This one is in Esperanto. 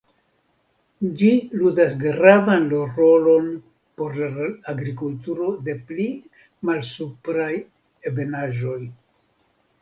Ĝi ludas gravan rolon por la agrikulturo de pli malsupraj ebenaĵoj.